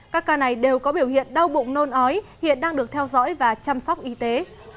các ca này đều có biểu hiện đau bụng nôn ói hiện đang được theo dõi và chăm sóc y tế